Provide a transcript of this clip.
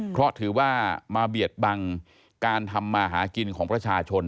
เพราะถือว่ามาเบียดบังการทำมาหากินของประชาชน